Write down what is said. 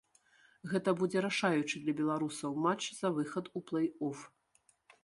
Гэта будзе рашаючы для беларусаў матч за выхад у плэй-оф.